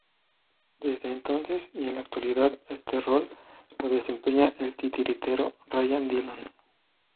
Desde entonces y en la actualidad este rol lo desempeña el titiritero Ryan Dillon.